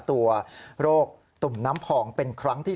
ตัวโรคตุ่มน้ำพองเป็นครั้งที่๓